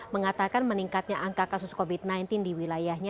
mengatakan meningkatnya angka kasus covid sembilan belas di wilayahnya